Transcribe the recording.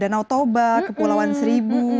danau toba kepulauan seribu